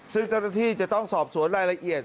ซึ่งเจ้าหน้าที่จะต้องสอบสวนรายละเอียด